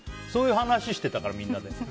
そういう話をしていたからみんなで。